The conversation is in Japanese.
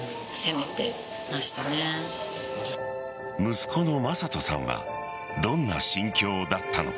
息子の匡人さんはどんな心境だったのか。